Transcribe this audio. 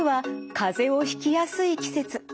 かぜをひきやすい季節。